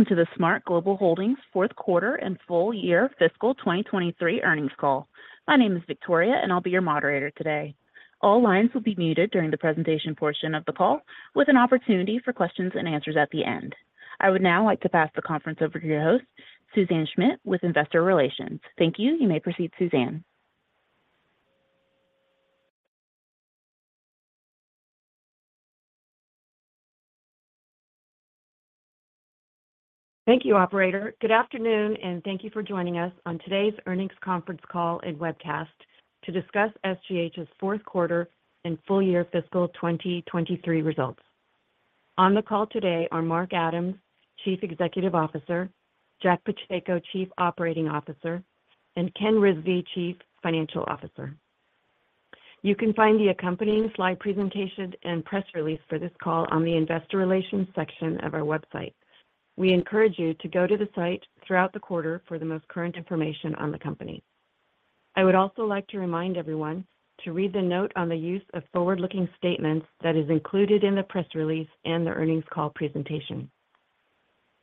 Welcome to the SMART Global Holdings fourth quarter and full year fiscal 2023 earnings call. My name is Victoria, and I'll be your moderator today. All lines will be muted during the presentation portion of the call, with an opportunity for questions and answers at the end. I would now like to pass the conference over to your host, Suzanne Schmidt, with Investor Relations. Thank you. You may proceed, Suzanne. Thank you, operator. Good afternoon, and thank you for joining us on today's earnings conference call and webcast to discuss SGH's fourth quarter and full year fiscal 2023 results. On the call today are Mark Adams, Chief Executive Officer, Jack Pacheco, Chief Operating Officer, and Ken Rizvi, Chief Financial Officer. You can find the accompanying slide presentation and press release for this call on the Investor Relations section of our website. We encourage you to go to the site throughout the quarter for the most current information on the company. I would also like to remind everyone to read the note on the use of forward-looking statements that is included in the press release and the earnings call presentation.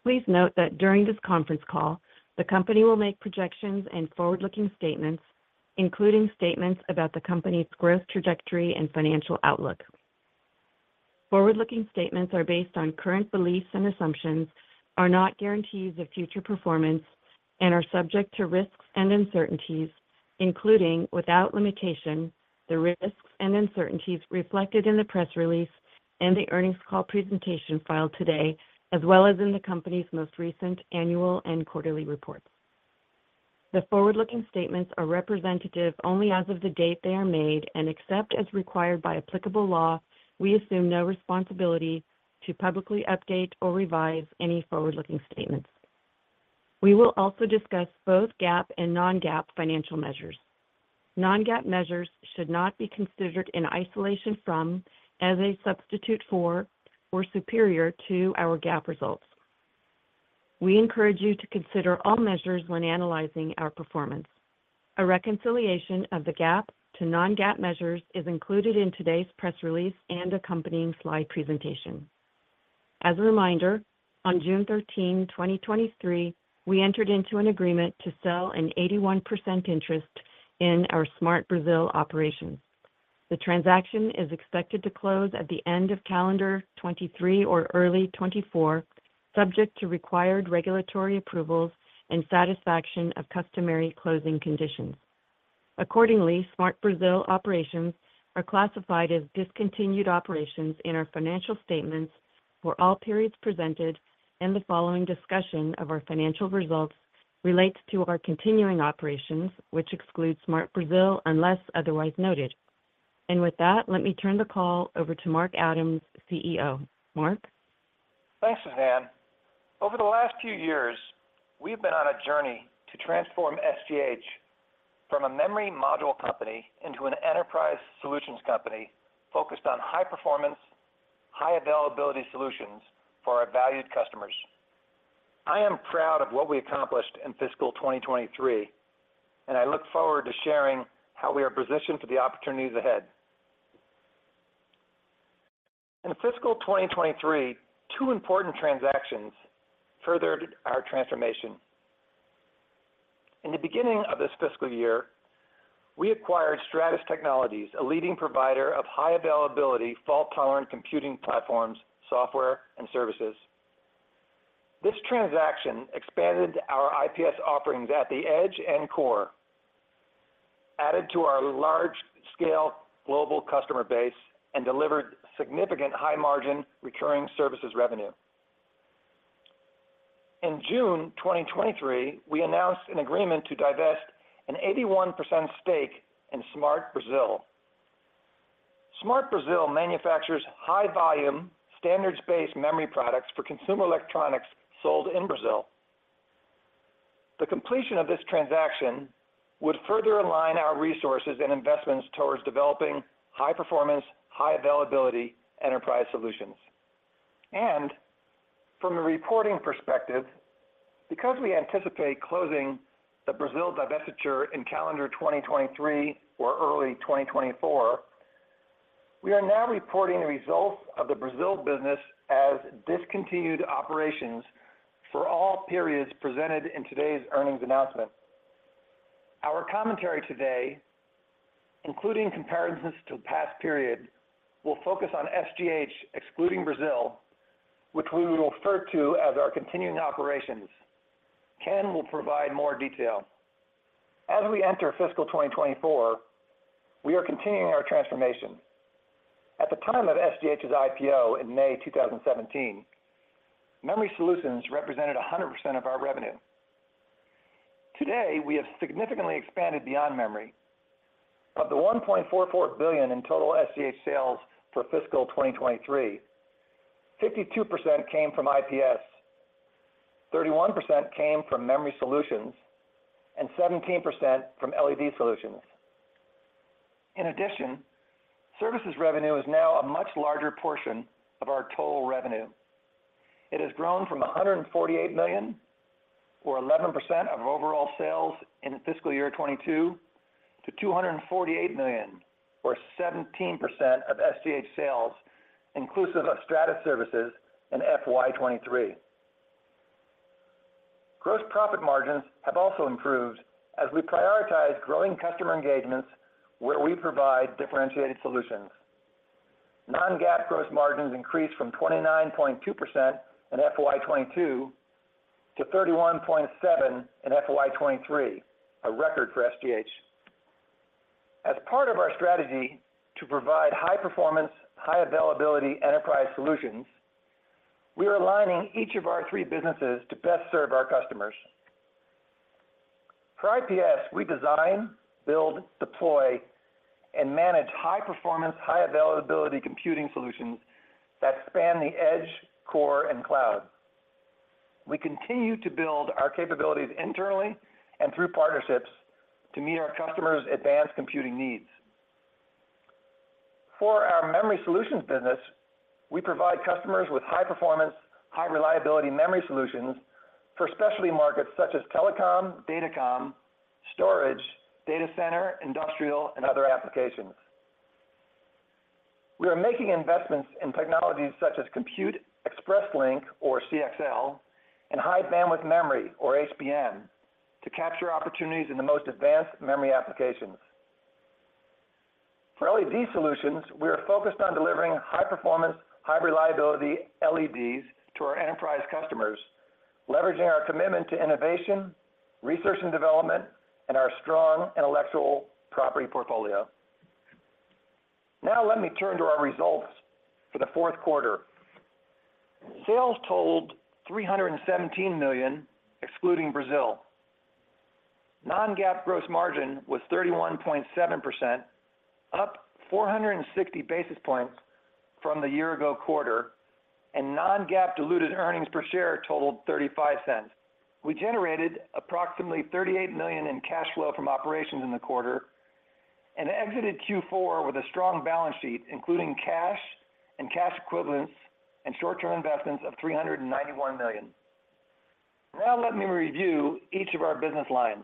Please note that during this conference call, the company will make projections and forward-looking statements, including statements about the company's growth trajectory and financial outlook. Forward-looking statements are based on current beliefs and assumptions, are not guarantees of future performance, and are subject to risks and uncertainties, including, without limitation, the risks and uncertainties reflected in the press release and the earnings call presentation filed today, as well as in the company's most recent annual and quarterly reports. The forward-looking statements are representative only as of the date they are made, and except as required by applicable law, we assume no responsibility to publicly update or revise any forward-looking statements. We will also discuss both GAAP and non-GAAP financial measures. Non-GAAP measures should not be considered in isolation from, as a substitute for, or superior to our GAAP results. We encourage you to consider all measures when analyzing our performance. A reconciliation of the GAAP to non-GAAP measures is included in today's press release and accompanying slide presentation. As a reminder, on June 13, 2023, we entered into an agreement to sell an 81% interest in our SMART Brazil operations. The transaction is expected to close at the end of calendar 2023 or early 2024, subject to required regulatory approvals and satisfaction of customary closing conditions. Accordingly, SMART Brazil operations are classified as discontinued operations in our financial statements for all periods presented, and the following discussion of our financial results relates to our continuing operations, which excludes SMART Brazil, unless otherwise noted. With that, let me turn the call over to Mark Adams, CEO. Mark? Thanks, Suzanne. Over the last few years, we've been on a journey to transform SGH from a memory module company into an enterprise solutions company focused on high performance, high availability solutions for our valued customers. I am proud of what we accomplished in fiscal 2023, and I look forward to sharing how we are positioned for the opportunities ahead. In fiscal 2023, two important transactions furthered our transformation. In the beginning of this fiscal year, we acquired Stratus Technologies, a leading provider of high availability, fault-tolerant computing platforms, software, and services. This transaction expanded our IPS offerings at the edge and core, added to our large-scale global customer base, and delivered significant high margin recurring services revenue. In June 2023, we announced an agreement to divest an 81% stake in SMART Brazil. SMART Brazil manufactures high volume, standards-based memory products for consumer electronics sold in Brazil. The completion of this transaction would further align our resources and investments towards developing high performance, high availability enterprise solutions. From a reporting perspective, because we anticipate closing the Brazil divestiture in calendar 2023 or early 2024, we are now reporting the results of the Brazil business as discontinued operations for all periods presented in today's earnings announcement. Our commentary today, including comparisons to past period, will focus on SGH, excluding Brazil, which we will refer to as our continuing operations. Ken will provide more detail. As we enter fiscal 2024, we are continuing our transformation. At the time of SGH's IPO in May 2017, Memory Solutions represented 100% of our revenue. Today, we have significantly expanded beyond memory. Of the $1.44 billion in total SGH sales for fiscal 2023, 52% came from IPS, 31% came from Memory Solutions, and 17% from LED solutions. In addition, services revenue is now a much larger portion of our total revenue. It has grown from $148 million, or 11% of overall sales in fiscal year 2022, to $248 million, or 17% of SGH sales, inclusive of Stratus' services in FY 2023. Gross profit margins have also improved as we prioritize growing customer engagements where we provide differentiated solutions. Non-GAAP gross margins increased from 29.2% in FY 2022 to 31.7% in FY 2023, a record for SGH. As part of our strategy to provide high performance, high availability enterprise solutions, we are aligning each of our three businesses to best serve our customers. For IPS, we design, build, deploy, and manage high-performance, high-availability computing solutions that span the edge, core, and cloud. We continue to build our capabilities internally and through partnerships to meet our customers' advanced computing needs. For our Memory Solutions business, we provide customers with high-performance, high-reliability memory solutions for specialty markets such as telecom, datacom, storage, data center, industrial, and other applications. We are making investments in technologies such as Compute Express Link, or CXL, and high-bandwidth memory, or HBM, to capture opportunities in the most advanced memory applications. For LED solutions, we are focused on delivering high-performance, high-reliability LEDs to our enterprise customers, leveraging our commitment to innovation, research and development, and our strong intellectual property portfolio. Now let me turn to our results for the fourth quarter. Sales totaled $317 million, excluding Brazil. Non-GAAP gross margin was 31.7%, up 460 basis points from the year-ago quarter, and non-GAAP diluted earnings per share totaled $0.35. We generated approximately $38 million in cash flow from operations in the quarter and exited Q4 with a strong balance sheet, including cash and cash equivalents, and short-term investments of $391 million. Now let me review each of our business lines.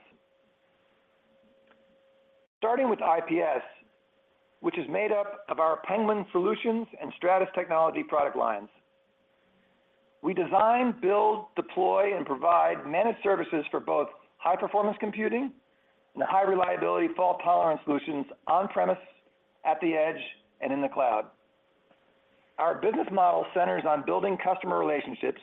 Starting with IPS, which is made up of our Penguin Solutions and Stratus Technologies product lines. We design, build, deploy, and provide managed services for both high-performance computing and high reliability fault-tolerant solutions on-premise, at the edge, and in the cloud. Our business model centers on building customer relationships,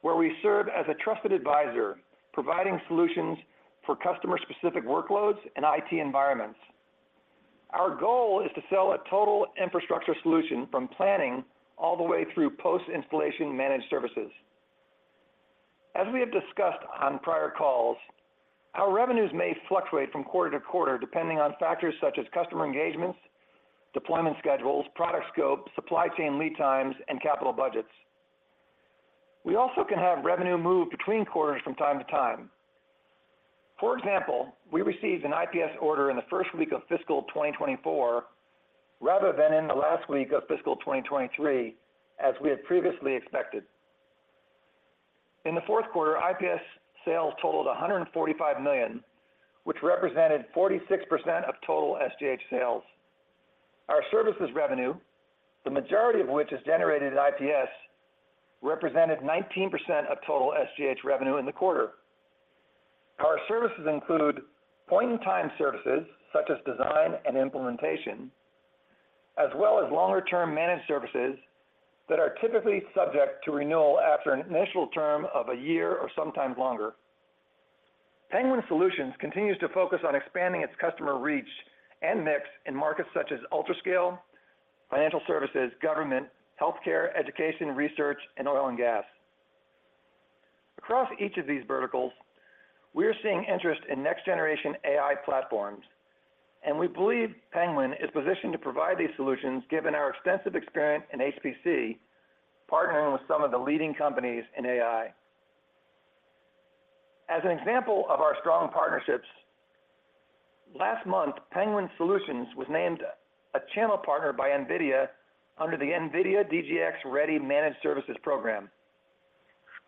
where we serve as a trusted advisor, providing solutions for customer-specific workloads and IT environments. Our goal is to sell a total infrastructure solution from planning all the way through post-installation managed services. As we have discussed on prior calls, our revenues may fluctuate from quarter to quarter, depending on factors such as customer engagements, deployment schedules, product scope, supply chain lead times, and capital budgets. We also can have revenue move between quarters from time to time. For example, we received an IPS order in the first week of fiscal 2024, rather than in the last week of fiscal 2023, as we had previously expected. In the fourth quarter, IPS sales totaled $145 million, which represented 46% of total SGH sales. Our services revenue, the majority of which is generated in IPS, represented 19% of total SGH revenue in the quarter. Our services include point-in-time services, such as design and implementation, as well as longer-term managed services that are typically subject to renewal after an initial term of a year or sometimes longer. Penguin Solutions continues to focus on expanding its customer reach and mix in markets such as ultra scale, financial services, government, healthcare, education, research, and oil and gas. Across each of these verticals, we are seeing interest in next generation AI platforms, and we believe Penguin is positioned to provide these solutions given our extensive experience in HPC, partnering with some of the leading companies in AI. As an example of our strong partnerships, last month, Penguin Solutions was named a channel partner by NVIDIA under the NVIDIA DGX-Ready Managed Services program.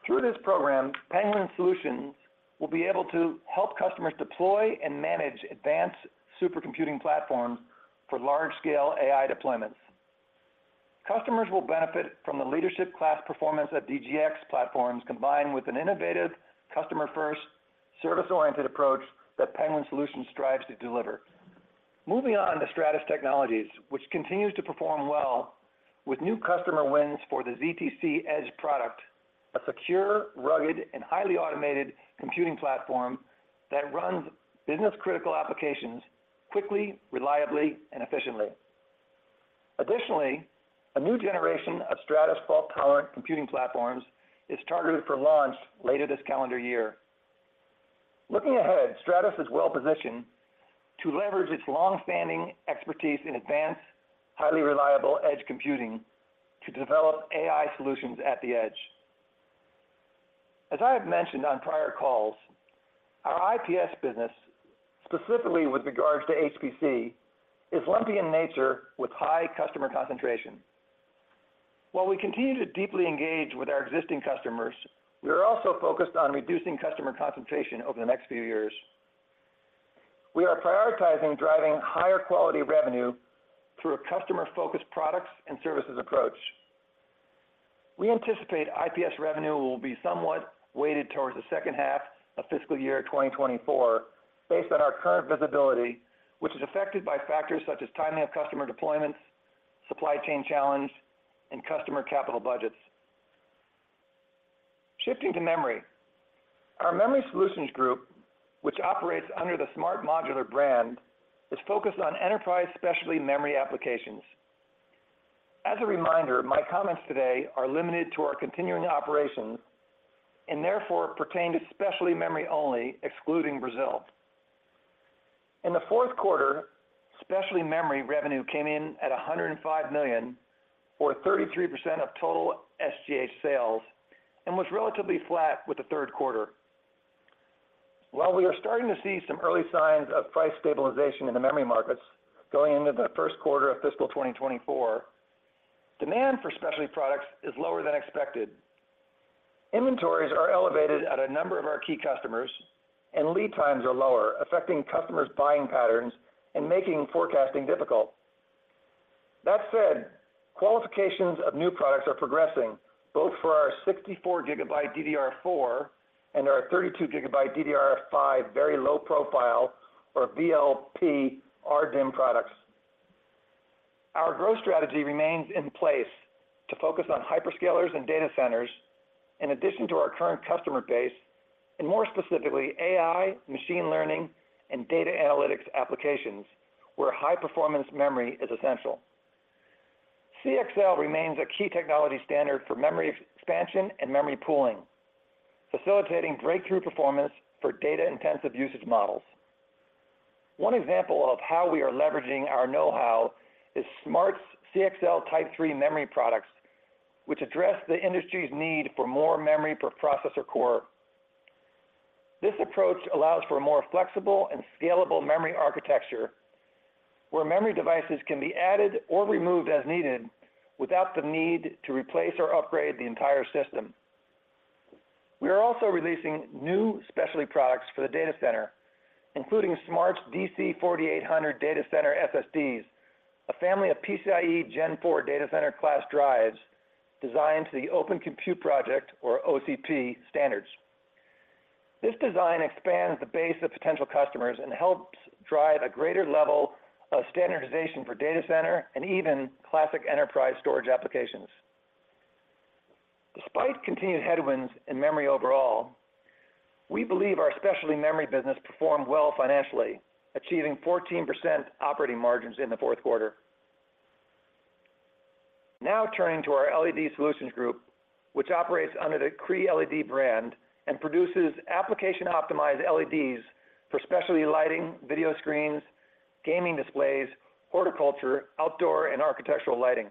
Through this program, Penguin Solutions will be able to help customers deploy and manage advanced supercomputing platforms for large-scale AI deployments. Customers will benefit from the leadership class performance of DGX platforms, combined with an innovative, customer-first, service-oriented approach that Penguin Solutions strives to deliver. Moving on to Stratus Technologies, which continues to perform well with new customer wins for the ztC Edge product, a secure, rugged, and highly automated computing platform that runs business-critical applications quickly, reliably, and efficiently. Additionally, a new generation of Stratus fault-tolerant computing platforms is targeted for launch later this calendar year. Looking ahead, Stratus is well positioned to leverage its long-standing expertise in advanced, highly reliable edge computing to develop AI solutions at the edge. As I have mentioned on prior calls, our IPS business, specifically with regards to HPC, is lumpy in nature with high customer concentration. While we continue to deeply engage with our existing customers, we are also focused on reducing customer concentration over the next few years. We are prioritizing driving higher quality revenue through a customer-focused products and services approach. We anticipate IPS revenue will be somewhat weighted towards the second half of fiscal year 2024, based on our current visibility, which is affected by factors such as timing of customer deployments, supply chain challenge, and customer capital budgets. Shifting to memory. Our Memory Solutions group, which operates under the SMART Modular brand, is focused on enterprise specialty memory applications. As a reminder, my comments today are limited to our continuing operations, and therefore pertain to specialty memory only, excluding Brazil. In the fourth quarter, specialty memory revenue came in at $105 million, or 33% of total SGH sales, and was relatively flat with the third quarter. While we are starting to see some early signs of price stabilization in the memory markets going into the first quarter of fiscal 2024, demand for specialty products is lower than expected. Inventories are elevated at a number of our key customers, and lead times are lower, affecting customers' buying patterns and making forecasting difficult. That said, qualifications of new products are progressing, both for our 64 GB DDR4 and our 32 GB DDR5 very low profile, or VLP, RDIMM products. Our growth strategy remains in place to focus on hyperscalers and data centers, in addition to our current customer base, and more specifically, AI, machine learning, and data analytics applications, where high-performance memory is essential. CXL remains a key technology standard for memory expansion and memory pooling, facilitating breakthrough performance for data-intensive usage models. One example of how we are leveraging our know-how is SMART's CXL Type 3 memory products, which address the industry's need for more memory per processor core. This approach allows for a more flexible and scalable memory architecture, where memory devices can be added or removed as needed without the need to replace or upgrade the entire system. We are also releasing new specialty products for the data center, including SMART's DC4800 data center SSDs, a family of PCIe Gen 4 data center class drives designed to the Open Compute Project, or OCP, standards. This design expands the base of potential customers and helps drive a greater level of standardization for data center and even classic enterprise storage applications. Despite continued headwinds in memory overall, we believe our specialty memory business performed well financially, achieving 14% operating margins in the fourth quarter. Now, turning to our LED Solutions group, which operates under the Cree LED brand and produces application-optimized LEDs for specialty lighting, video screens, gaming displays, horticulture, outdoor, and architectural lighting.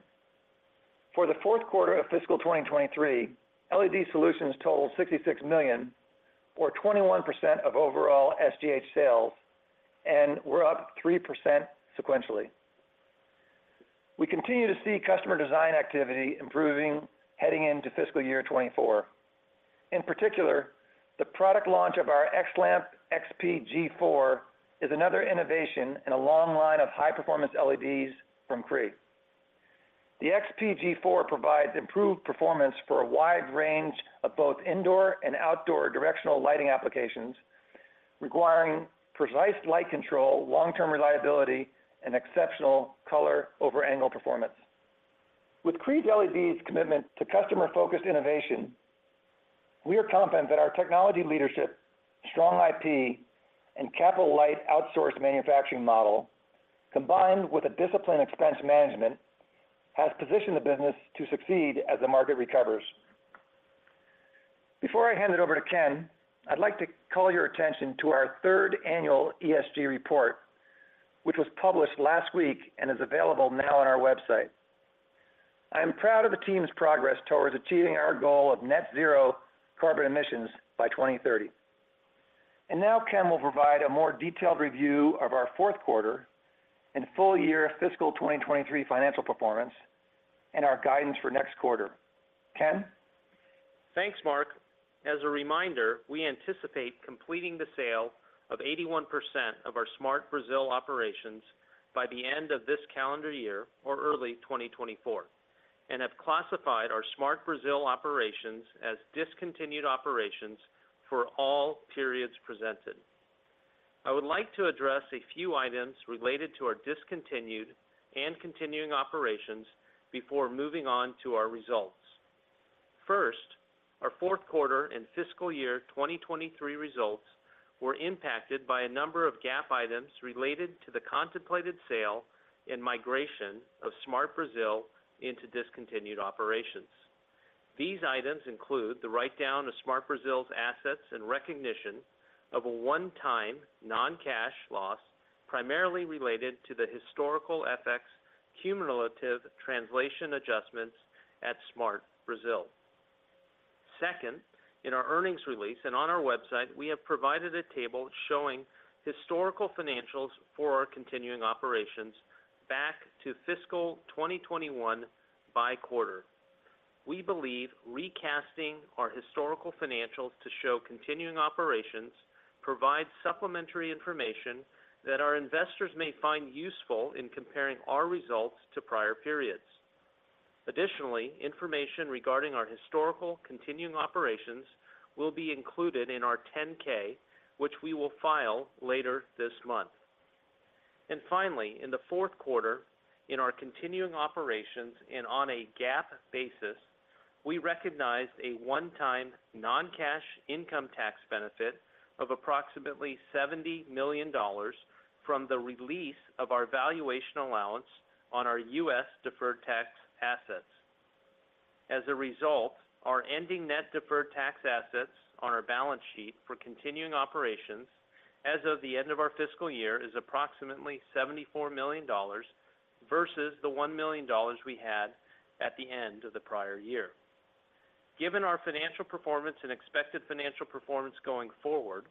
For the fourth quarter of fiscal 2023, LED solutions totaled $66 million, or 21% of overall SGH sales, and were up 3% sequentially. We continue to see customer design activity improving heading into fiscal year 2024. In particular, the product launch of our XLamp XP-G4 is another innovation in a long line of high-performance LEDs from Cree. The XP-G4 provides improved performance for a wide range of both indoor and outdoor directional lighting applications, requiring precise light control, long-term reliability, and exceptional color over angle performance. With Cree LED's commitment to customer-focused innovation, we are confident that our technology leadership, strong IP, and capital-light outsourced manufacturing model, combined with a disciplined expense management, has positioned the business to succeed as the market recovers. Before I hand it over to Ken, I'd like to call your attention to our third annual ESG report, which was published last week and is available now on our website. I am proud of the team's progress towards achieving our goal of net zero carbon emissions by 2030. Now Ken will provide a more detailed review of our fourth quarter and full year fiscal 2023 financial performance and our guidance for next quarter. Ken? Thanks, Mark. As a reminder, we anticipate completing the sale of 81% of our SMART Brazil operations by the end of this calendar year or early 2024, and have classified our SMART Brazil operations as discontinued operations for all periods presented. I would like to address a few items related to our discontinued and continuing operations before moving on to our results. First, our fourth quarter and fiscal year 2023 results were impacted by a number of GAAP items related to the contemplated sale and migration of SMART Brazil into discontinued operations. These items include the write-down of SMART Brazil's assets and recognition of a one-time, non-cash loss, primarily related to the historical FX cumulative translation adjustments at SMART Brazil. Second, in our earnings release and on our website, we have provided a table showing historical financials for our continuing operations back to fiscal 2021 by quarter. We believe recasting our historical financials to show continuing operations provides supplementary information that our investors may find useful in comparing our results to prior periods. Additionally, information regarding our historical continuing operations will be included in our 10-K, which we will file later this month. Finally, in the fourth quarter, in our continuing operations, and on a GAAP basis, we recognized a one-time non-cash income tax benefit of approximately $70 million from the release of our valuation allowance on our U.S. deferred tax assets. As a result, our ending net deferred tax assets on our balance sheet for continuing operations as of the end of our fiscal year is approximately $74 million versus the $1 million we had at the end of the prior year. Given our financial performance and expected financial performance going forward,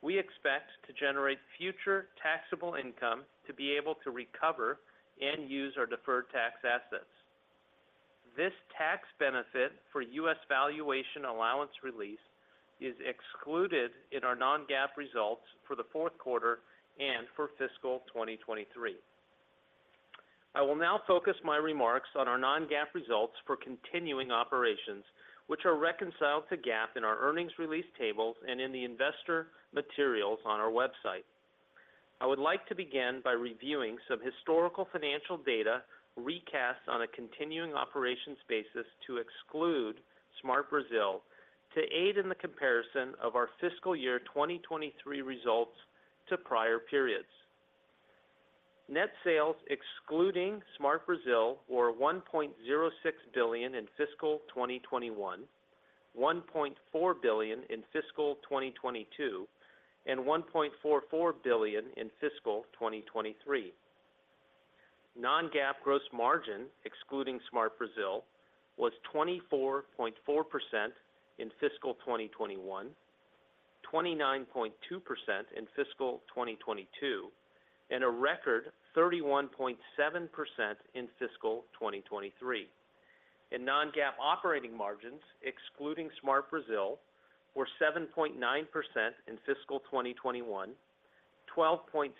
we expect to generate future taxable income to be able to recover and use our deferred tax assets. This tax benefit for U.S. valuation allowance release is excluded in our non-GAAP results for the fourth quarter and for fiscal 2023. I will now focus my remarks on our non-GAAP results for continuing operations, which are reconciled to GAAP in our earnings release tables and in the investor materials on our website. I would like to begin by reviewing some historical financial data, recast on a continuing operations basis to exclude SMART Brazil, to aid in the comparison of our fiscal year 2023 results to prior periods. Net sales, excluding SMART Brazil, were $1.06 billion in fiscal 2021, $1.4 billion in fiscal 2022, and $1.44 billion in fiscal 2023. Non-GAAP gross margin, excluding SMART Brazil, was 24.4% in fiscal 2021, 29.2% in fiscal 2022, and a record 31.7% in fiscal 2023. Non-GAAP operating margins, excluding SMART Brazil, were 7.9% in fiscal 2021, 12.7%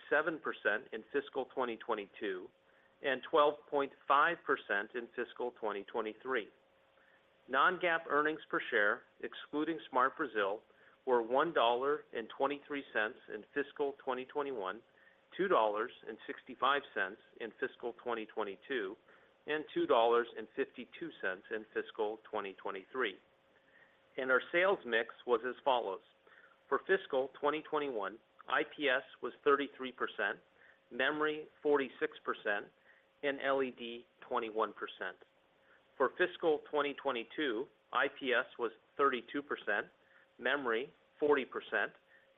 in fiscal 2022, and 12.5% in fiscal 2023. Non-GAAP earnings per share, excluding SMART Brazil, were $1.23 in fiscal 2021, $2.65 in fiscal 2022, and $2.52 in fiscal 2023. Our sales mix was as follows: For fiscal 2021, IPS was 33%, Memory 46%, and LED 21%. For fiscal 2022, IPS was 32%, Memory 40%,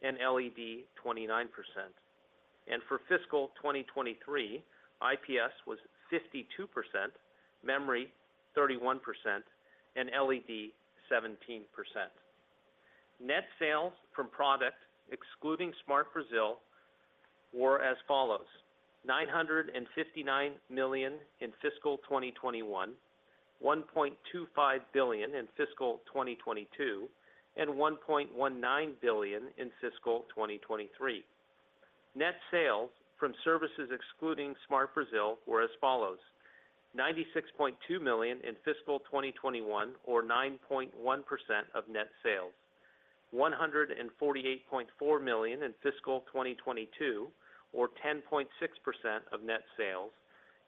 and LED 29%. For fiscal 2023, IPS was 52%, Memory 31%, and LED 17%. Net sales from product, excluding SMART Brazil, were as follows: $959 million in fiscal 2021, $1.25 billion in fiscal 2022, and $1.19 billion in fiscal 2023. Net sales from services excluding SMART Brazil, were as follows: $96.2 million in fiscal 2021, or 9.1% of net sales, $148.4 million in fiscal 2022, or 10.6% of net sales,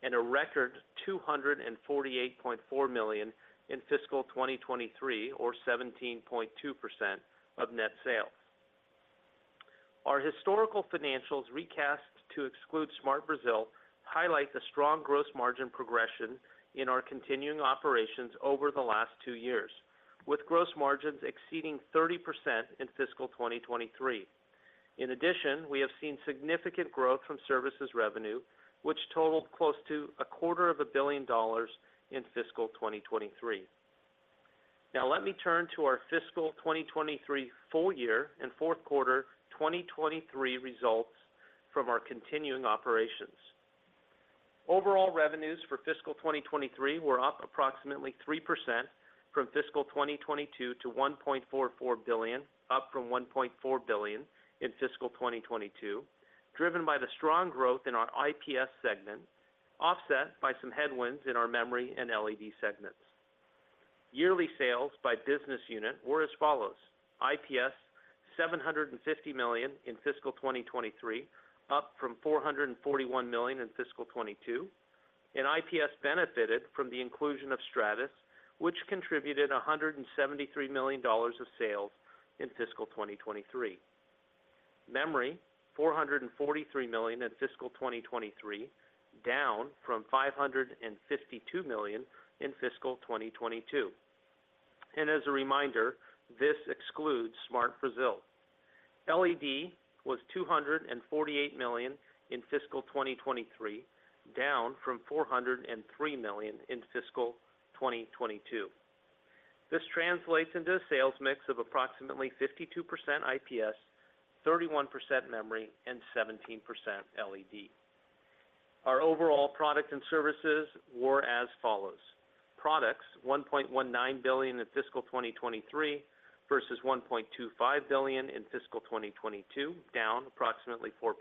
and a record $248.4 million in fiscal 2023, or 17.2% of net sales. Our historical financials, recast to exclude SMART Brazil, highlight the strong gross margin progression in our continuing operations over the last two years, with gross margins exceeding 30% in fiscal 2023. In addition, we have seen significant growth from services revenue, which totaled close to $250 million in fiscal 2023. Now let me turn to our fiscal 2023 full year and fourth quarter 2023 results from our continuing operations. Overall revenues for fiscal 2023 were up approximately 3% from fiscal 2022 to $1.44 billion, up from $1.4 billion in fiscal 2022, driven by the strong growth in our IPS segment, offset by some headwinds in our Memory and LED segments. Yearly sales by business unit were as follows: IPS, $750 million in fiscal 2023, up from $441 million in fiscal 2022, and IPS benefited from the inclusion of Stratus, which contributed $173 million of sales in fiscal 2023. Memory, $443 million in fiscal 2023, down from $552 million in fiscal 2022. And as a reminder, this excludes SMART Brazil. LED was $248 million in fiscal 2023, down from $403 million in fiscal 2022. This translates into a sales mix of approximately 52% IPS, 31% Memory, and 17% LED. Our overall product and services were as follows: products, $1.19 billion in fiscal 2023 versus $1.25 billion in fiscal 2022, down approximately 4%,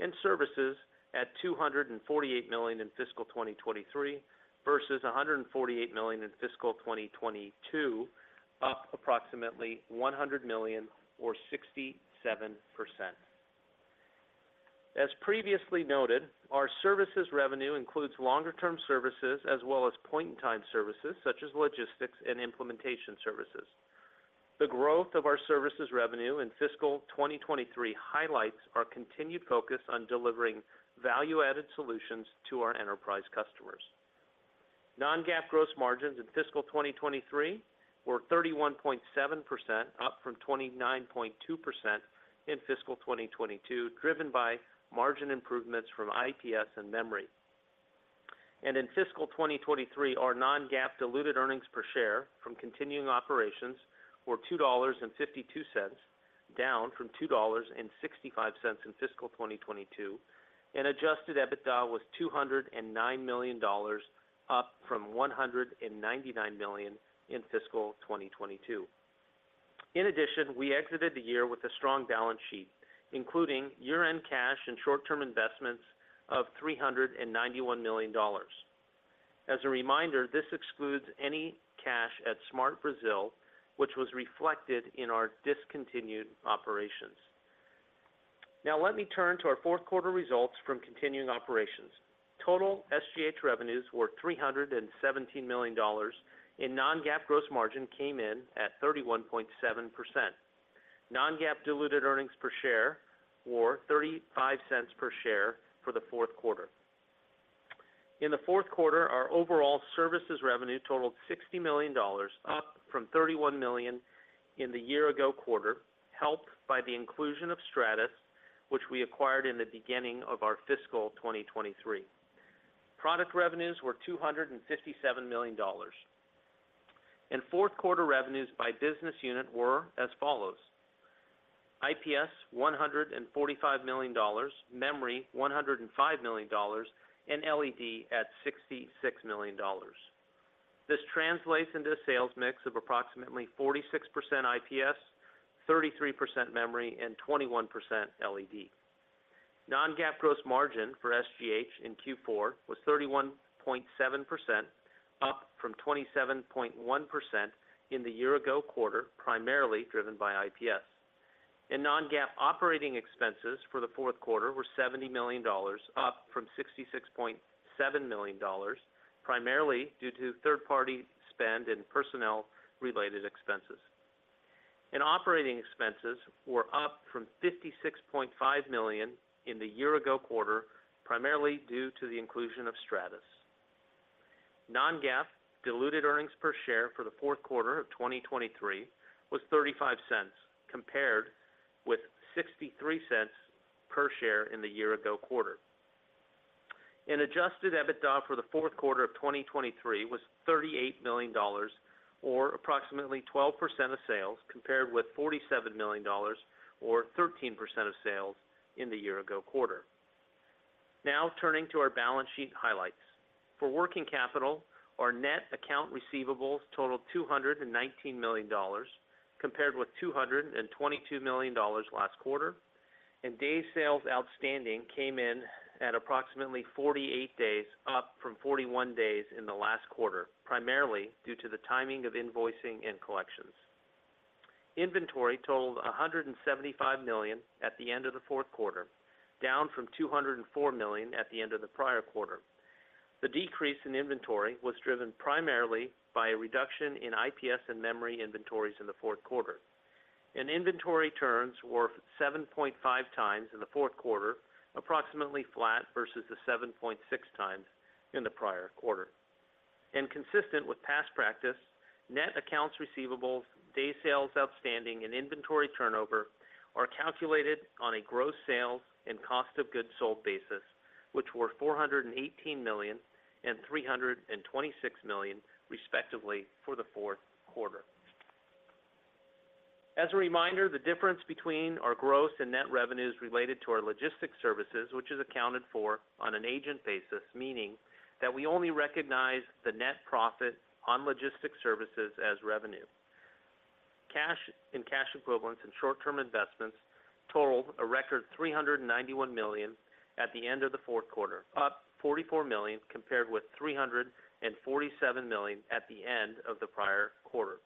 and services at $248 million in fiscal 2023 versus $148 million in fiscal 2022, up approximately $100 million or 67%. As previously noted, our services revenue includes longer-term services as well as point-in-time services, such as logistics and implementation services. The growth of our services revenue in fiscal 2023 highlights our continued focus on delivering value-added solutions to our enterprise customers. Non-GAAP gross margins in fiscal 2023 were 31.7%, up from 29.2% in fiscal 2022, driven by margin improvements from IPS and Memory. In fiscal 2023, our non-GAAP diluted earnings per share from continuing operations were $2.52, down from $2.65 in fiscal 2022, and adjusted EBITDA was $209 million, up from $199 million in fiscal 2022. In addition, we exited the year with a strong balance sheet, including year-end cash and short-term investments of $391 million. As a reminder, this excludes any cash at SMART Brazil, which was reflected in our discontinued operations. Now let me turn to our fourth quarter results from continuing operations. Total SGH revenues were $317 million, and non-GAAP gross margin came in at 31.7%. Non-GAAP diluted earnings per share were $0.35 per share for the fourth quarter. In the fourth quarter, our overall services revenue totaled $60 million, up from $31 million in the year ago quarter, helped by the inclusion of Stratus, which we acquired in the beginning of our fiscal 2023. Product revenues were $257 million. Fourth quarter revenues by business unit were as follows: IPS, $145 million, Memory, $105 million, and LED at $66 million. This translates into a sales mix of approximately 46% IPS, 33% Memory, and 21% LED. Non-GAAP gross margin for SGH in Q4 was 31.7%, up from 27.1% in the year-ago quarter, primarily driven by IPS. Non-GAAP operating expenses for the fourth quarter were $70 million, up from $66.7 million, primarily due to third-party spend and personnel-related expenses. Operating expenses were up from $56.5 million in the year-ago quarter, primarily due to the inclusion of Stratus. Non-GAAP diluted earnings per share for the fourth quarter of 2023 was $0.35, compared with $0.63 per share in the year-ago quarter. Adjusted EBITDA for the fourth quarter of 2023 was $38 million, or approximately 12% of sales, compared with $47 million, or 13% of sales in the year-ago quarter. Now turning to our balance sheet highlights. For working capital, our net account receivables totaled $219 million, compared with $222 million last quarter, and days sales outstanding came in at approximately 48 days, up from 41 days in the last quarter, primarily due to the timing of invoicing and collections. Inventory totaled $175 million at the end of the fourth quarter, down from $204 million at the end of the prior quarter. The decrease in inventory was driven primarily by a reduction in IPS and Memory inventories in the fourth quarter. Inventory turns were 7.5x in the fourth quarter, approximately flat versus the 7.6x in the prior quarter. Consistent with past practice, net accounts receivables, days sales outstanding, and inventory turnover are calculated on a gross sales and cost of goods sold basis, which were $418 million and $326 million, respectively, for the fourth quarter. As a reminder, the difference between our gross and net revenues related to our logistics services, which is accounted for on an agent basis, meaning that we only recognize the net profit on logistic services as revenue. Cash and cash equivalents and short-term investments totaled a record $391 million at the end of the fourth quarter, up $44 million, compared with $347 million at the end of the prior quarter.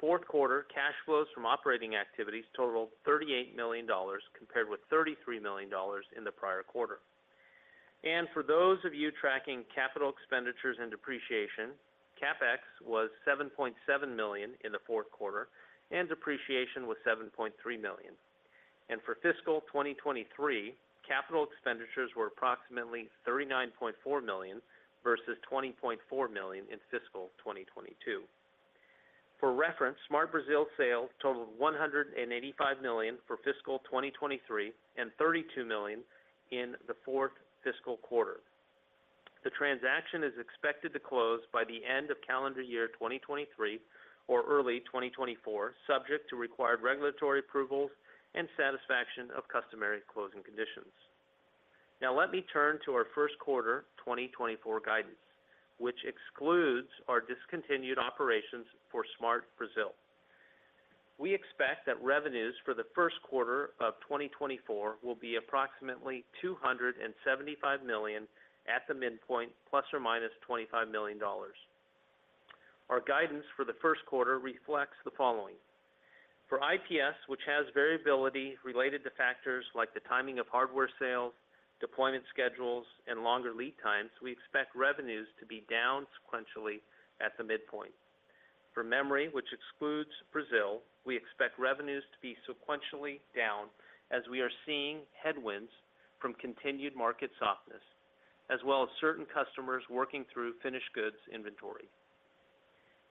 Fourth quarter cash flows from operating activities totaled $38 million, compared with $33 million in the prior quarter. And for those of you tracking CapEx and depreciation, CapEx was $7.7 million in the fourth quarter, and depreciation was $7.3 million. For fiscal 2023, CapEx were approximately $39.4 million versus $20.4 million in fiscal 2022. For reference, SMART Brazil sales totaled $185 million for fiscal 2023, and $32 million in the fourth fiscal quarter. The transaction is expected to close by the end of calendar year 2023 or early 2024, subject to required regulatory approvals and satisfaction of customary closing conditions. Now let me turn to our first quarter 2024 guidance, which excludes our discontinued operations for SMART Brazil. We expect that revenues for the first quarter of 2024 will be approximately $275 million at the midpoint ±$25 million. Our guidance for the first quarter reflects the following: For IPS, which has variability related to factors like the timing of hardware sales, deployment schedules, and longer lead times, we expect revenues to be down sequentially at the midpoint. For Memory, which excludes Brazil, we expect revenues to be sequentially down, as we are seeing headwinds from continued market softness, as well as certain customers working through finished goods inventory.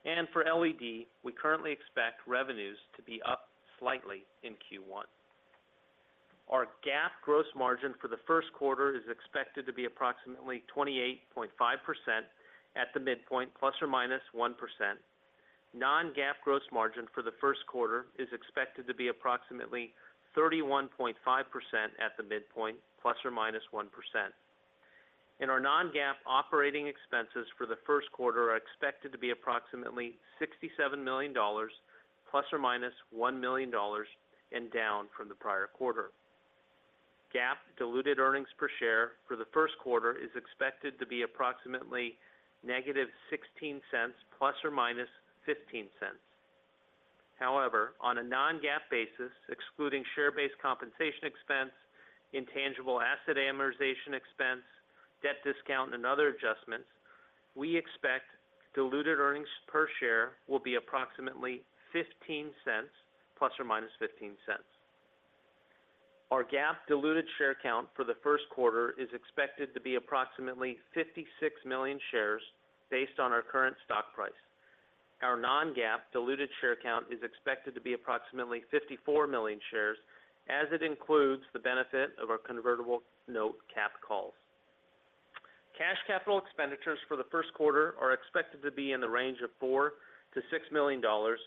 And for LED, we currently expect revenues to be up slightly in Q1. Our GAAP gross margin for the first quarter is expected to be approximately 28.5% at the midpoint, ±1%. Non-GAAP gross margin for the first quarter is expected to be approximately 31.5% at the midpoint, ±1%. Our non-GAAP operating expenses for the first quarter are expected to be approximately $67 million, ±$1 million, and down from the prior quarter. GAAP diluted earnings per share for the first quarter is expected to be approximately -$0.16, ±$0.15. However, on a non-GAAP basis, excluding share-based compensation expense, intangible asset amortization expense, debt discount, and other adjustments, we expect diluted earnings per share will be approximately $0.15, ±$0.15. Our GAAP diluted share count for the first quarter is expected to be approximately 56 million shares based on our current stock price. Our non-GAAP diluted share count is expected to be approximately 54 million shares, as it includes the benefit of our convertible note capped calls. Cash CapEx for the first quarter are expected to be in the range of $4 million-$6 million,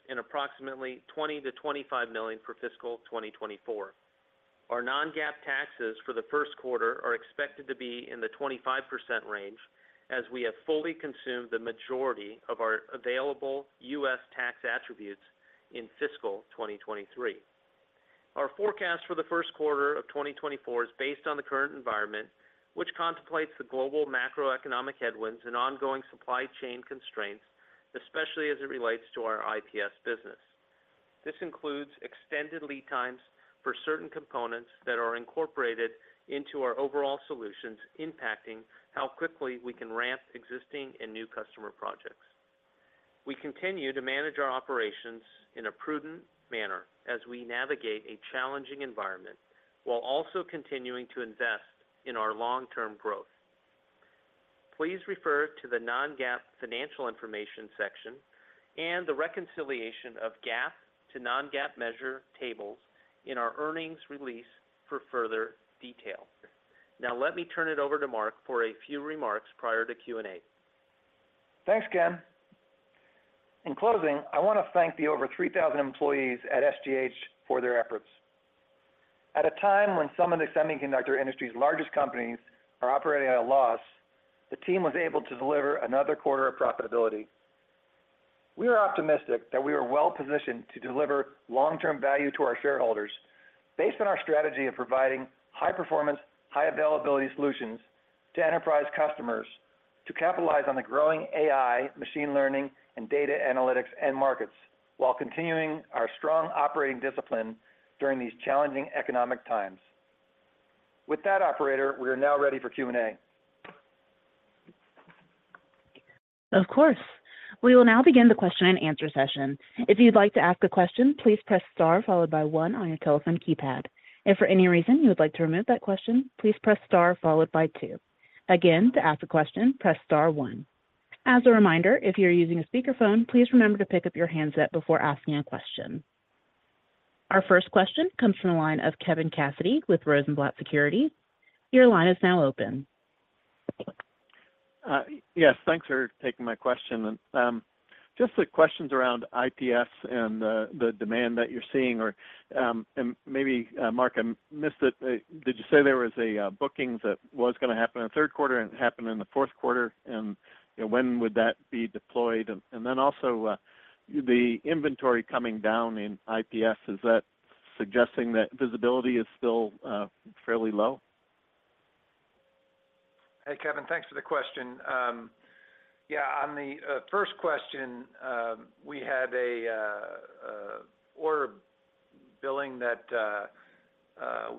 and approximately $20 million-$25 million for fiscal 2024. Our non-GAAP taxes for the first quarter are expected to be in the 25% range, as we have fully consumed the majority of our available U.S. tax attributes in fiscal 2023. Our forecast for the first quarter of 2024 is based on the current environment, which contemplates the global macroeconomic headwinds and ongoing supply chain constraints, especially as it relates to our IPS business. This includes extended lead times for certain components that are incorporated into our overall solutions, impacting how quickly we can ramp existing and new customer projects. We continue to manage our operations in a prudent manner as we navigate a challenging environment, while also continuing to invest in our long-term growth. Please refer to the Non-GAAP Financial Information section and the Reconciliation of GAAP to Non-GAAP measure tables in our earnings release for further detail. Now, let me turn it over to Mark for a few remarks prior to Q&A. Thanks, Ken. In closing, I want to thank the over 3,000 employees at SGH for their efforts. At a time when some of the semiconductor industry's largest companies are operating at a loss, the team was able to deliver another quarter of profitability. We are optimistic that we are well positioned to deliver long-term value to our shareholders based on our strategy of providing high-performance, high-availability solutions to enterprise customers to capitalize on the growing AI, machine learning, and data analytics end markets, while continuing our strong operating discipline during these challenging economic times. With that, operator, we are now ready for Q&A. Of course. We will now begin the question-and-answer session. If you'd like to ask a question, please press star, followed by one on your telephone keypad. If for any reason you would like to remove that question, please press star followed by two. Again, to ask a question, press star one. As a reminder, if you're using a speakerphone, please remember to pick up your handset before asking a question. Our first question comes from the line of Kevin Cassidy with Rosenblatt Securities. Your line is now open. Yes, thanks for taking my question. Just the questions around IPS and the demand that you're seeing, and maybe, Mark, I missed it. Did you say there was a bookings that was gonna happen in the third quarter and it happened in the fourth quarter? And, you know, when would that be deployed? And then also, the inventory coming down in IPS, is that suggesting that visibility is still fairly low? Hey, Kevin, thanks for the question. Yeah, on the first question, we had an order billing that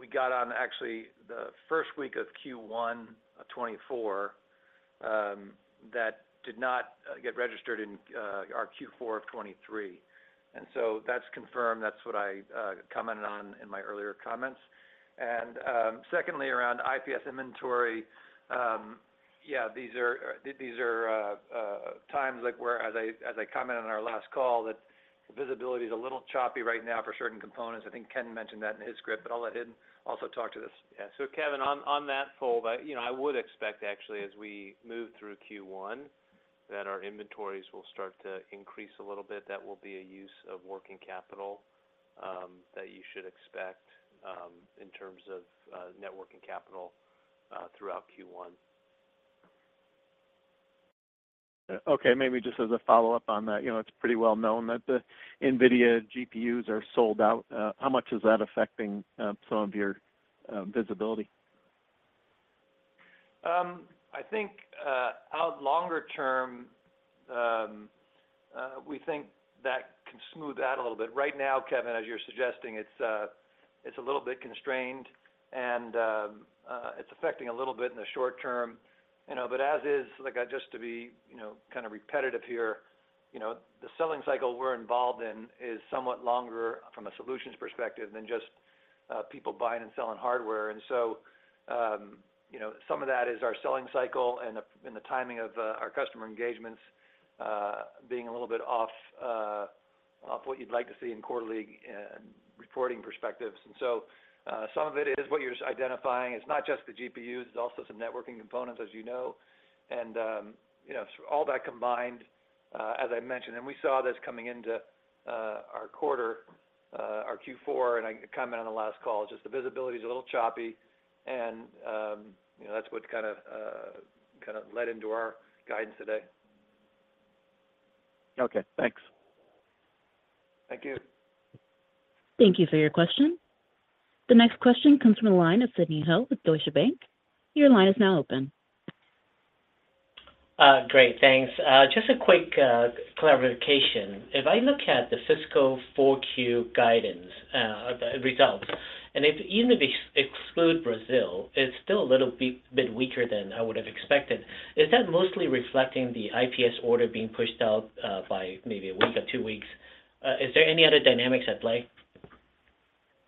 we got on actually the first week of Q1 2024. That did not get registered in our Q4 of 2023. So that's confirmed. That's what I commented on in my earlier comments. Secondly, around IPS inventory, yeah, these are times like where as I commented on our last call, that the visibility is a little choppy right now for certain components. I think Ken mentioned that in his script, but I'll let him also talk to this. Yeah. So Kevin, on that front, you know, I would expect actually as we move through Q1, that our inventories will start to increase a little bit. That will be a use of working capital that you should expect in terms of net working capital throughout Q1. Okay, maybe just as a follow-up on that, you know, it's pretty well known that the NVIDIA GPUs are sold out. How much is that affecting some of your visibility? I think out longer term, we think that can smooth out a little bit. Right now, Kevin, as you're suggesting, it's a little bit constrained, and it's affecting a little bit in the short term. You know, but as is, like, just to be, you know, kind of repetitive here, you know, the selling cycle we're involved in is somewhat longer from a solutions perspective than just people buying and selling hardware. And so, you know, some of that is our selling cycle and the, and the timing of our customer engagements being a little bit off, off what you'd like to see in quarterly reporting perspectives. And so, some of it is what you're identifying. It's not just the GPUs, it's also some networking components, as you know, and, you know, so all that combined, as I mentioned, and we saw this coming into our quarter, our Q4, and I commented on the last call, just the visibility is a little choppy, and, you know, that's what kind of led into our guidance today. Okay, thanks. Thank you. Thank you for your question. The next question comes from the line of Sidney Ho with Deutsche Bank. Your line is now open. Great, thanks. Just a quick clarification. If I look at the fiscal 4Q guidance results, and if even if you exclude Brazil, it's still a little bit weaker than I would have expected. Is that mostly reflecting the IPS order being pushed out by maybe a week or two weeks? Is there any other dynamics at play?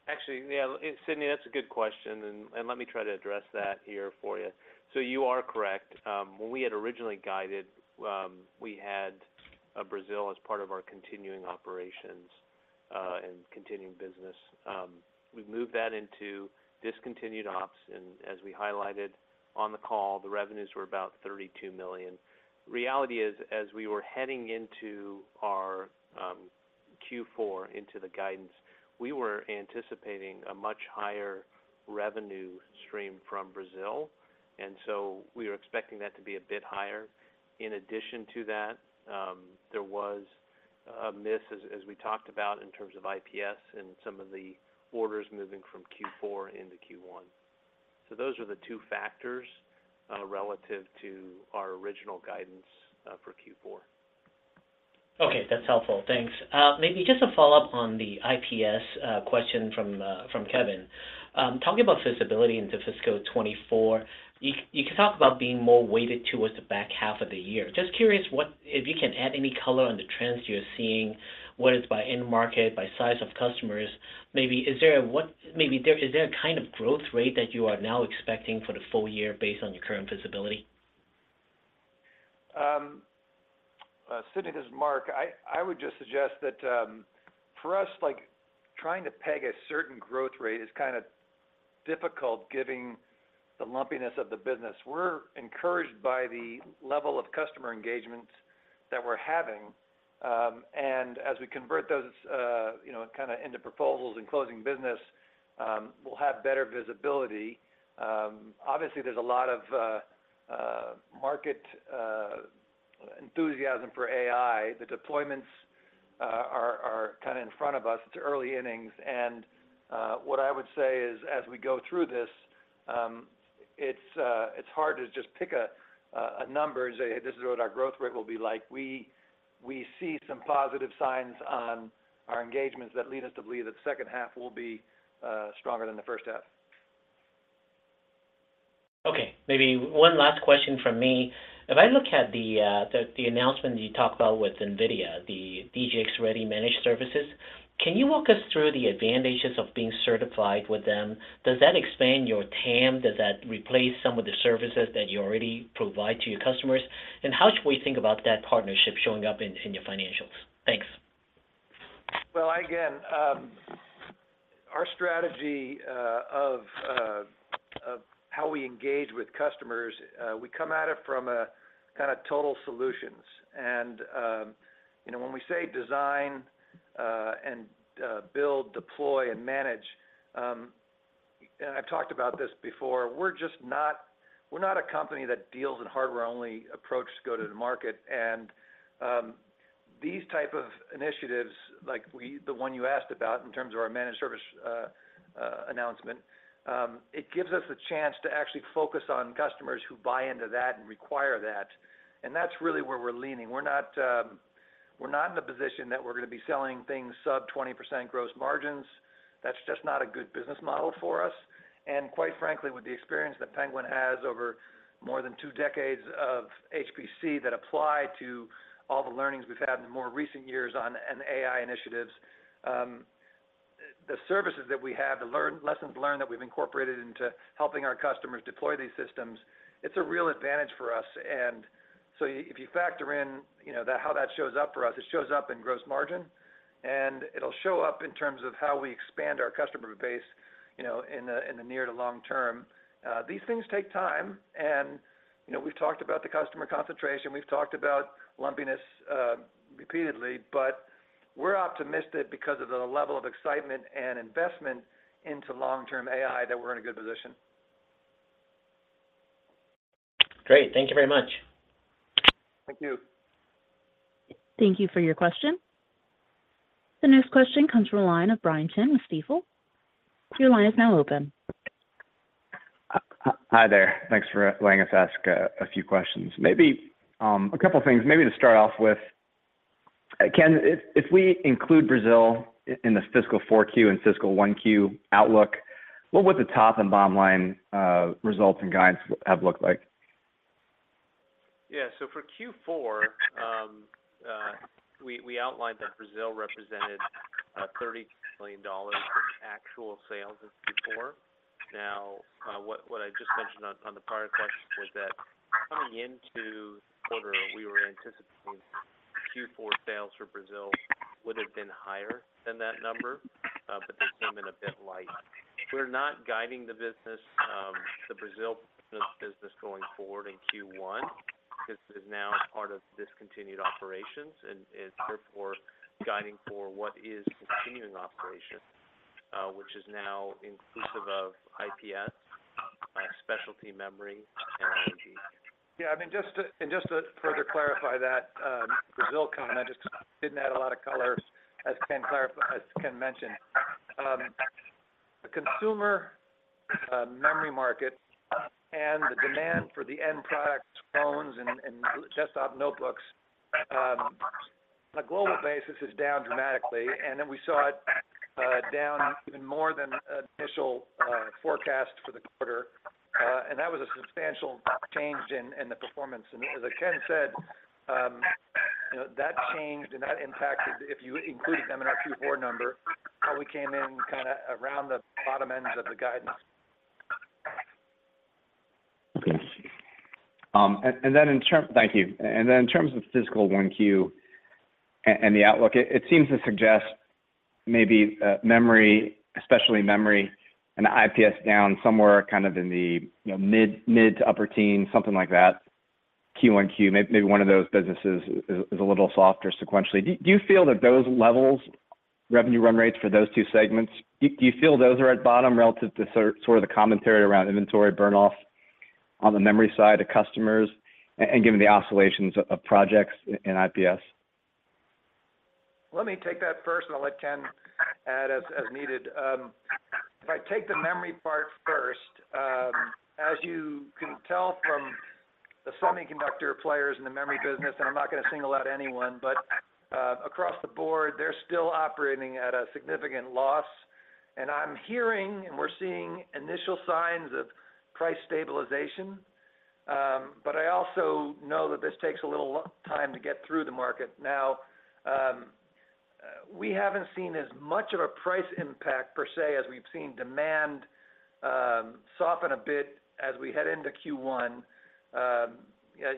Actually, yeah, Sidney, that's a good question, and let me try to address that here for you. So you are correct. When we had originally guided, we had Brazil as part of our continuing operations and continuing business. We've moved that into discontinued ops, and as we highlighted on the call, the revenues were about $32 million. Reality is, as we were heading into our Q4, into the guidance, we were anticipating a much higher revenue stream from Brazil, and so we were expecting that to be a bit higher. In addition to that, there was a miss, as we talked about in terms of IPS and some of the orders moving from Q4 into Q1. So those are the two factors relative to our original guidance for Q4. Okay, that's helpful. Thanks. Maybe just a follow-up on the IPS question from Kevin. Talking about visibility into fiscal 2024, you talk about being more weighted towards the back half of the year. Just curious, what if you can add any color on the trends you're seeing, whether it's by end market, by size of customers, maybe is there a kind of growth rate that you are now expecting for the full year based on your current visibility? Sidney, this is Mark. I would just suggest that, for us, like, trying to peg a certain growth rate is kind of difficult given the lumpiness of the business. We're encouraged by the level of customer engagement that we're having, and as we convert those, you know, kind of into proposals and closing business, we'll have better visibility. Obviously, there's a lot of market enthusiasm for AI. The deployments are kinda in front of us. It's early innings, and what I would say is, as we go through this, it's hard to just pick a number and say, "This is what our growth rate will be like." We see some positive signs on our engagements that lead us to believe that the second half will be stronger than the first half. Okay, maybe one last question from me. If I look at the announcement you talked about with NVIDIA, the DGX-Ready Managed Services, can you walk us through the advantages of being certified with them? Does that expand your TAM? Does that replace some of the services that you already provide to your customers? And how should we think about that partnership showing up in your financials? Thanks. Well, again, our strategy of how we engage with customers, we come at it from a kinda total solutions. You know, when we say design, and build, deploy, and manage, and I've talked about this before, we're just not—we're not a company that deals in hardware-only approach to go to the market. These type of initiatives, like we—the one you asked about in terms of our managed service announcement, it gives us a chance to actually focus on customers who buy into that and require that, and that's really where we're leaning. We're not—we're not in the position that we're going to be selling things sub-20% gross margins. That's just not a good business model for us. Quite frankly, with the experience that Penguin has over more than two decades of HPC that apply to all the learnings we've had in more recent years on an AI initiatives, the services that we have, the lessons learned that we've incorporated into helping our customers deploy these systems, it's a real advantage for us. And so if you factor in, you know, how that shows up for us, it shows up in gross margin, and it'll show up in terms of how we expand our customer base, you know, in the near to long term. These things take time, and, you know, we've talked about the customer concentration, we've talked about lumpiness, repeatedly, but we're optimistic because of the level of excitement and investment into long-term AI, that we're in a good position. Great. Thank you very much. Thank you. Thank you for your question. The next question comes from the line of Brian Chin with Stifel. Your line is now open. Hi there, thanks for letting us ask a few questions. Maybe, a couple of things. Maybe to start off with, Ken, if we include Brazil in this fiscal 4Q and fiscal 1Q outlook, what would the top and bottom line results and guidance have looked like? Yeah. So for Q4, we outlined that Brazil represented $30 million in actual sales as before. Now, what I just mentioned on the prior question was that coming into the quarter, we were anticipating Q4 sales for Brazil would have been higher than that number, but they came in a bit light. We're not guiding the business, the Brazil business going forward in Q1. This is now part of discontinued operations and therefore, guiding for what is continuing operations, which is now inclusive of IPS, specialty memory, and energy. Yeah, I mean, just to further clarify that Brazil comment, just didn't add a lot of color, as Ken mentioned. The consumer memory market and the demand for the end products, phones and desktop notebooks, on a global basis is down dramatically, and then we saw it down even more than initial forecast for the quarter. And that was a substantial change in the performance. And as Ken said, you know, that changed and that impacted, if you included them in our Q4 number, how we came in kind of around the bottom end of the guidance. Okay. Thank you. And then in terms of fiscal 1Q and the outlook, it seems to suggest maybe memory, especially memory and IPS down somewhere kind of in the, you know, mid- to upper-teen, something like that, QoQ, maybe one of those businesses is a little softer sequentially. Do you feel that those levels, revenue run rates for those two segments, do you feel those are at bottom relative to sort of the commentary around inventory burn off on the memory side of customers and given the oscillations of projects in IPS? Let me take that first, and I'll let Ken add as needed. If I take the Memory part first, as you can tell from the semiconductor players in the memory business, and I'm not going to single out anyone, but across the board, they're still operating at a significant loss. And I'm hearing, and we're seeing initial signs of price stabilization, but I also know that this takes a little long time to get through the market. Now, we haven't seen as much of a price impact per se, as we've seen demand soften a bit as we head into Q1.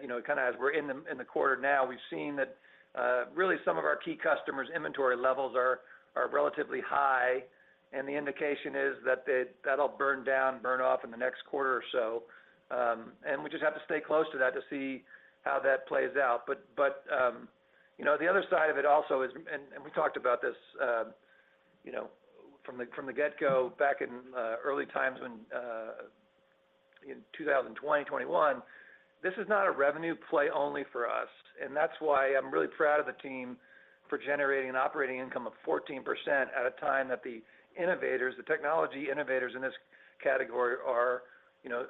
You know, kind of as we're in the, in the quarter now, we've seen that, really some of our key customers' inventory levels are relatively high, and the indication is that they'll burn down, burn off in the next quarter or so. And we just have to stay close to that to see how that plays out. But, you know, the other side of it also is, and we talked about this, you know, from the, from the get-go, back in early times when in 2020, 2021, this is not a revenue play only for us. And that's why I'm really proud of the team for generating an operating income of 14% at a time that the innovators, the technology innovators in this category are, you know,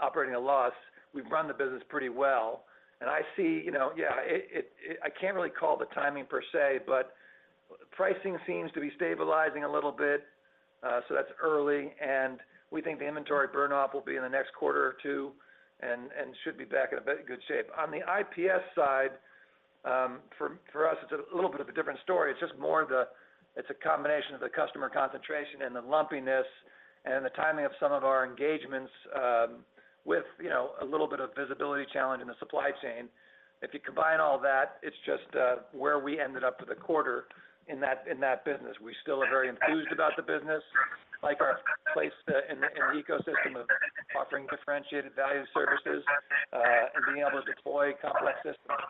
operating a loss. We've run the business pretty well, and I see, you know, yeah, it—I can't really call the timing per se, but pricing seems to be stabilizing a little bit, so that's early, and we think the inventory burn off will be in the next quarter or two, and should be back in a very good shape. On the IPS side, for us, it's a little bit of a different story. It's just more the, it's a combination of the customer concentration and the lumpiness and the timing of some of our engagements, with, you know, a little bit of visibility challenge in the supply chain. If you combine all that, it's just where we ended up for the quarter in that business. We still are very enthused about the business, like our place in the ecosystem of offering differentiated value services, and being able to deploy complex systems.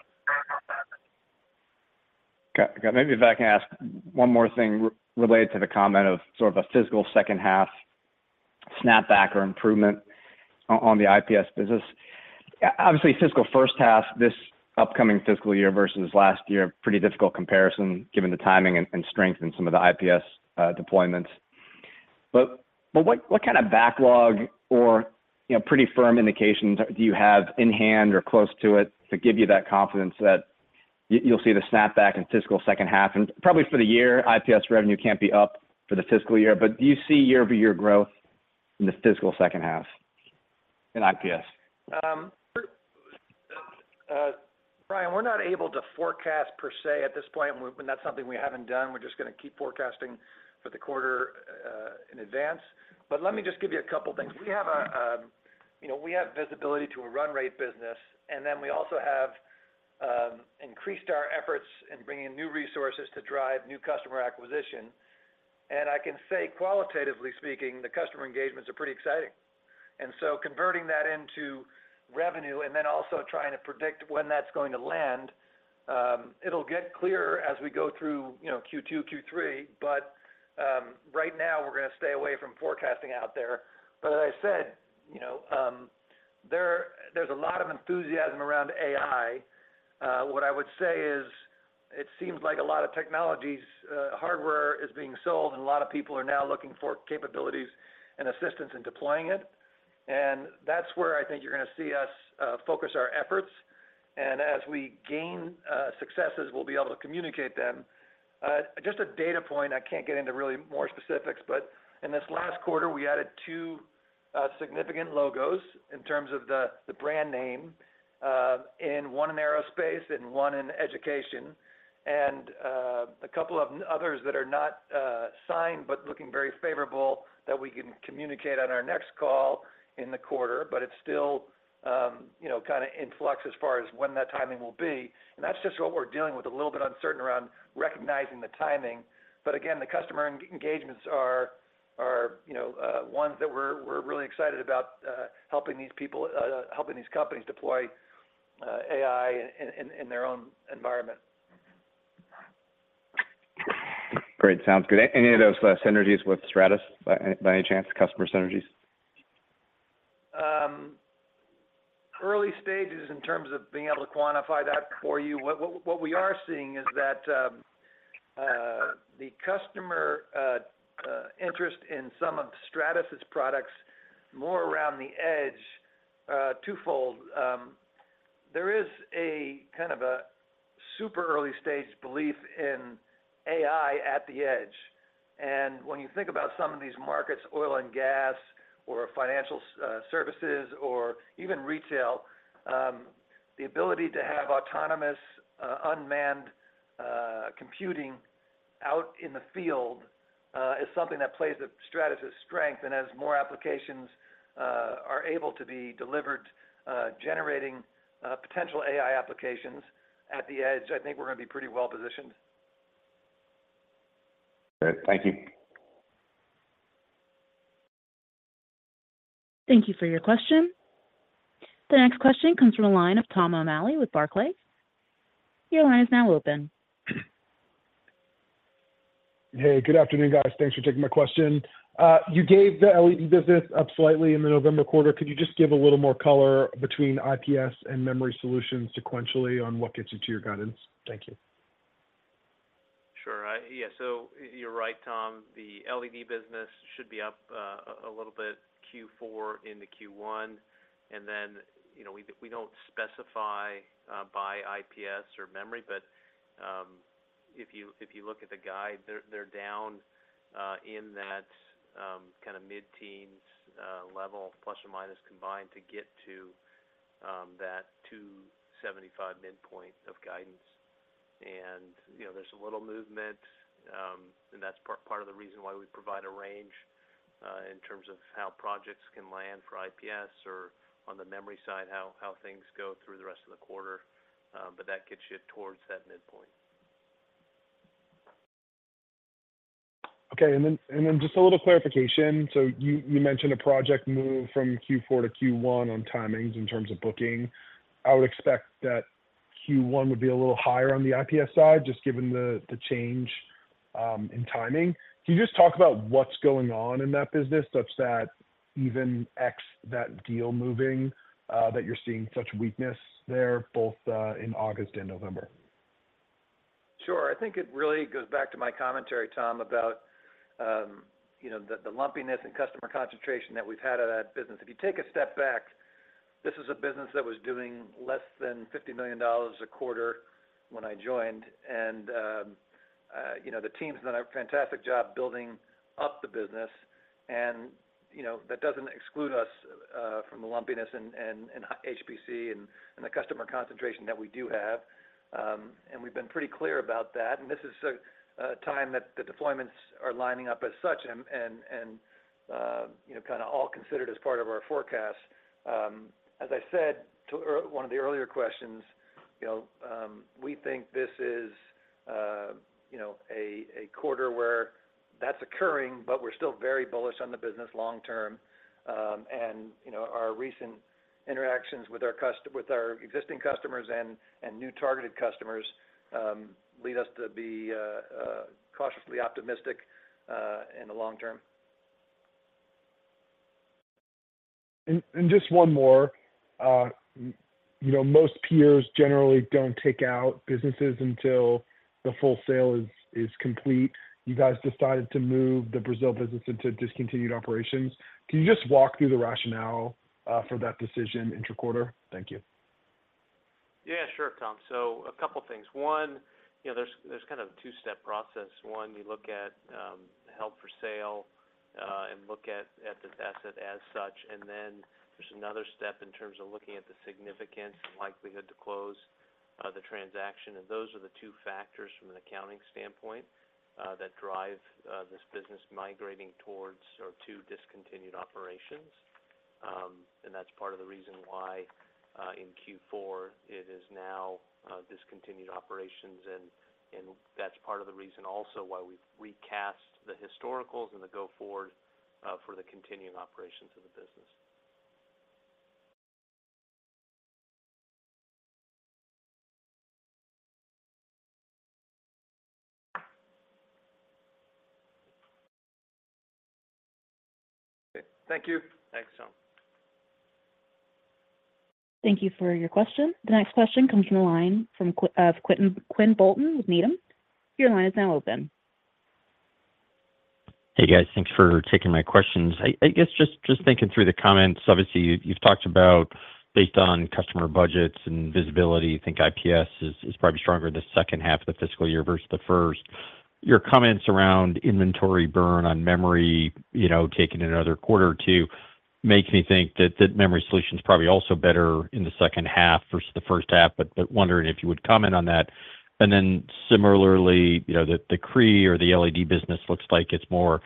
Got it. Maybe if I can ask one more thing related to the comment of sort of a fiscal second half snapback or improvement on the IPS business. Obviously, fiscal first half, this upcoming fiscal year versus last year, pretty difficult comparison, given the timing and strength in some of the IPS deployments. But what kind of backlog or, you know, pretty firm indications do you have in hand or close to it, to give you that confidence that you'll see the snapback in fiscal second half? And probably for the year, IPS revenue can't be up for the fiscal year, but do you see year-over-year growth in the fiscal second half in IPS? Brian, we're not able to forecast per se at this point, and that's something we haven't done. We're just gonna keep forecasting for the quarter in advance. But let me just give you a couple things. You know, we have visibility to a run rate business, and then we also have increased our efforts in bringing new resources to drive new customer acquisition. And I can say qualitatively speaking, the customer engagements are pretty exciting. And so converting that into revenue, and then also trying to predict when that's going to land, it'll get clearer as we go through, you know, Q2, Q3. But right now, we're gonna stay away from forecasting out there. But as I said, you know, there, there's a lot of enthusiasm around AI. What I would say is, it seems like a lot of technologies, hardware is being sold, and a lot of people are now looking for capabilities and assistance in deploying it. And that's where I think you're gonna see us focus our efforts, and as we gain successes, we'll be able to communicate them. Just a data point, I can't get into really more specifics, but in this last quarter, we added two significant logos in terms of the brand name, and one in aerospace and one in education. And a couple of others that are not signed, but looking very favorable, that we can communicate on our next call in the quarter. But it's still, you know, kind of in flux as far as when that timing will be. And that's just what we're dealing with, a little bit uncertain around recognizing the timing. But again, the customer engagements are, you know, ones that we're really excited about, helping these people, helping these companies deploy AI in their own environment. Great. Sounds good. Any of those synergies with Stratus, by any chance, customer synergies? Early stages in terms of being able to quantify that for you. What we are seeing is that, the customer interest in some of Stratus' products, more around the edge, twofold. There is a kind of a super early stage belief in AI at the edge. And when you think about some of these markets, oil and gas, or financial services, or even retail, the ability to have autonomous, unmanned, computing out in the field, is something that plays to Stratus' strength. And as more applications are able to be delivered, generating, potential AI applications at the edge, I think we're gonna be pretty well positioned. Great. Thank you. Thank you for your question. The next question comes from the line of Tom O'Malley with Barclays. Your line is now open. Hey, good afternoon, guys. Thanks for taking my question. You gave the LED business up slightly in the November quarter. Could you just give a little more color between IPS and Memory Solutions sequentially on what gets you to your guidance? Thank you. Sure. Yeah, so you're right, Tom. The LED business should be up a little bit Q4 into Q1, and then, you know, we don't specify by IPS or Memory, but if you look at the guide, they're down in that kind of mid-teens level, plus or minus, combined to get to that $275 million midpoint of guidance. And, you know, there's a little movement, and that's part of the reason why we provide a range in terms of how projects can land for IPS or on the Memory side, how things go through the rest of the quarter, but that gets you towards that midpoint. Okay. Then just a little clarification: So you mentioned a project move from Q4 to Q1 on timings in terms of booking. I would expect that Q1 would be a little higher on the IPS side, just given the change in timing. Can you just talk about what's going on in that business, such that even with that deal moving, you're seeing such weakness there, both in August and November? Sure. I think it really goes back to my commentary, Tom, about, you know, the lumpiness and customer concentration that we've had in that business. If you take a step back, this is a business that was doing less than $50 million a quarter when I joined, and, you know, the team's done a fantastic job building up the business, and, you know, that doesn't exclude us from the lumpiness and HPC and the customer concentration that we do have. And we've been pretty clear about that, and this is a time that the deployments are lining up as such, and, you know, kind of all considered as part of our forecast. As I said to earlier one of the earlier questions, you know, we think this is, you know, a quarter where that's occurring, but we're still very bullish on the business long term. And, you know, our recent interactions with our customers with our existing customers and new targeted customers lead us to be cautiously optimistic in the long term. Just one more. You know, most peers generally don't take out businesses until the full sale is complete. You guys decided to move the Brazil business into discontinued operations. Can you just walk through the rationale for that decision intra-quarter? Thank you. Yeah, sure, Tom. So a couple of things. One, you know, there's kind of a two-step process. One, you look at held for sale and look at this asset as such. And then there's another step in terms of looking at the significance and likelihood to close the transaction. And those are the two factors from an accounting standpoint that drive this business migrating towards or to discontinued operations. And that's part of the reason why, in Q4, it is now discontinued operations, and that's part of the reason also why we've recast the historicals and the go-forward for the continuing operations of the business. Thank you. Thanks, Tom. Thank you for your question. The next question comes from the line from Quinn Bolton with Needham & Company. Your line is now open. Hey, guys. Thanks for taking my questions. I guess just thinking through the comments, obviously, you've talked about based on customer budgets and visibility, you think IPS is probably stronger in the second half of the fiscal year versus the first. Your comments around inventory burn on Memory, you know, taking another quarter or two, makes me think that Memory Solutions is probably also better in the second half versus the first half, but wondering if you would comment on that. And then similarly, you know, the Cree or the LED business looks like it's more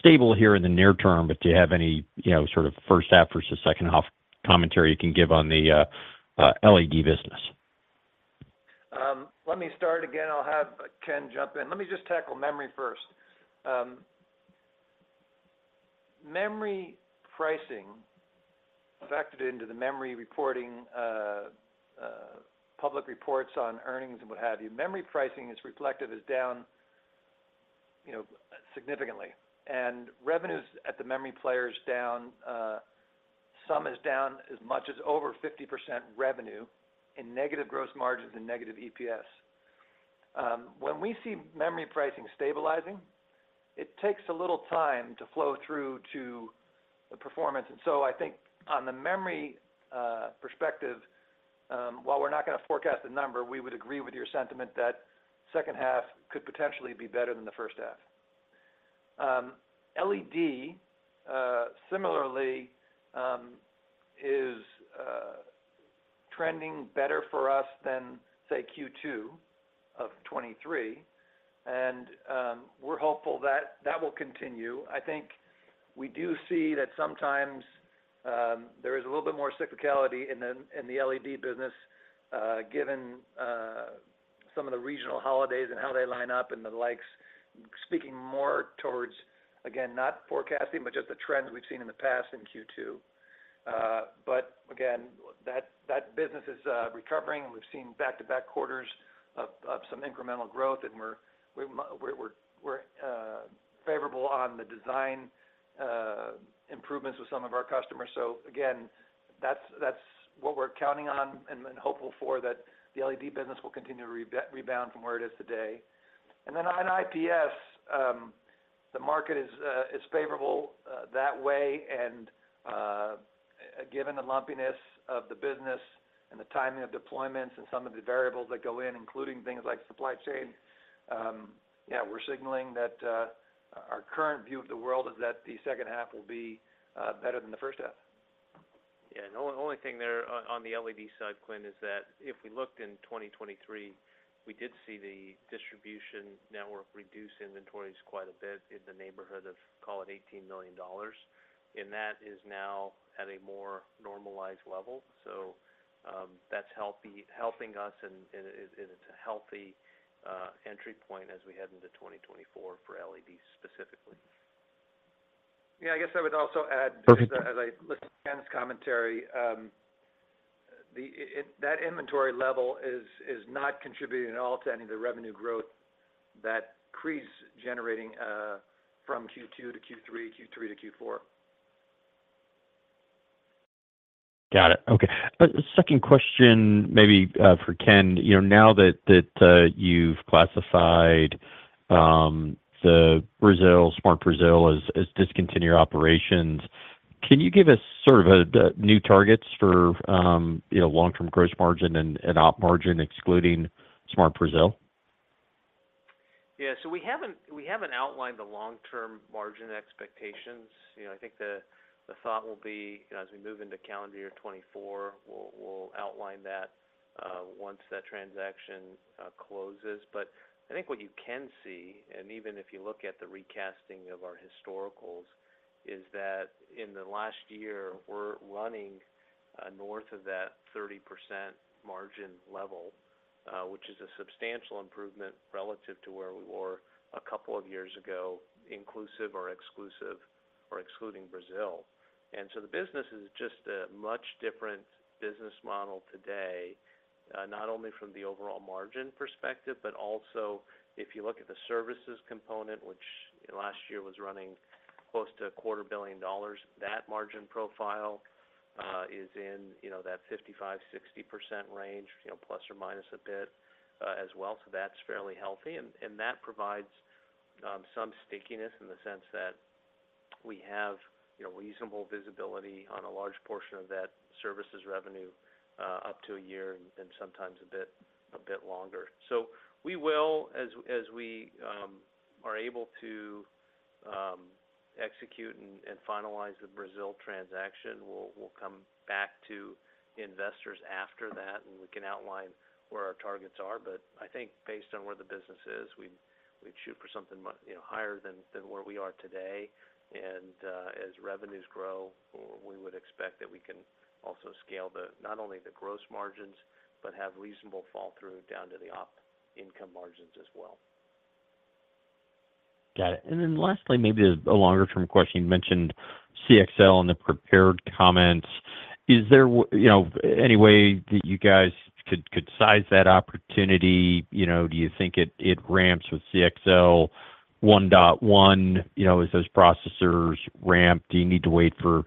stable here in the near term, but do you have any, you know, sort of first half versus second half commentary you can give on the LED business? Let me start again. I'll have Ken jump in. Let me just tackle memory first. Memory pricing, factored into the memory reporting, public reports on earnings and what have you. Memory pricing is reflective, is down, you know, significantly, and revenues at the memory players down, some is down as much as over 50% revenue in negative gross margins and negative EPS. When we see memory pricing stabilizing, it takes a little time to flow through to the performance. And so I think on the Memory, perspective, while we're not going to forecast the number, we would agree with your sentiment that second half could potentially be better than the first half. LED, similarly, is trending better for us than, say, Q2 of 2023, and, we're hopeful that that will continue. I think we do see that sometimes, there is a little bit more cyclicality in the, in the LED business, given some of the regional holidays and how they line up and the likes. Speaking more towards, again, not forecasting, but just the trends we've seen in the past in Q2. But again, that business is recovering, and we've seen back-to-back quarters of some incremental growth, and we're favorable on the design improvements with some of our customers. So again, that's what we're counting on and hopeful for, that the LED business will continue to rebound from where it is today. And then on IPS, the market is favorable that way, and given the lumpiness of the business and the timing of deployments and some of the variables that go in, including things like supply chain, yeah, we're signaling that our current view of the world is that the second half will be better than the first half. Yeah, the only thing there on the LED side, Quinn, is that if we looked in 2023, we did see the distribution network reduce inventories quite a bit in the neighborhood of, call it $18 million, and that is now at a more normalized level. So, that's healthy- helping us, and it's a healthy entry point as we head into 2024 for LED specifically. Yeah, I guess I would also add, just as I listen to Ken's commentary, the inventory level is not contributing at all to any of the revenue growth that Cree's generating, from Q2 to Q3, Q3 to Q4. Got it. Okay, second question, maybe for Ken. You know, now that you've classified the Brazil, SMART Brazil as discontinued operations, can you give us sort of the new targets for, you know, long-term gross margin and op margin, excluding SMART Brazil? Yeah. So we haven't outlined the long-term margin expectations. You know, I think the thought will be, as we move into calendar year 2024, we'll outline that once that transaction closes. But I think what you can see, and even if you look at the recasting of our historicals, is that in the last year, we're running north of that 30% margin level, which is a substantial improvement relative to where we were a couple of years ago, inclusive or exclusive, or excluding Brazil. And so the business is just a much different business model today. Not only from the overall margin perspective, but also if you look at the services component, which last year was running close to $250 million, that margin profile is in, you know, that 55%-60% range, you know, plus or minus a bit, as well. So that's fairly healthy, and that provides some stickiness in the sense that we have, you know, reasonable visibility on a large portion of that services revenue, up to a year and sometimes a bit longer. So we will, as we are able to execute and finalize the Brazil transaction, we'll come back to investors after that, and we can outline where our targets are. I think based on where the business is, we'd shoot for something you know, higher than where we are today. As revenues grow, we would expect that we can also scale the—not only the gross margins, but have reasonable fall through down to the op income margins as well. Got it. And then lastly, maybe as a longer term question, you mentioned CXL in the prepared comments. Is there—you know, any way that you guys could size that opportunity? You know, do you think it ramps with CXL 1.1? You know, as those processors ramp, do you need to wait for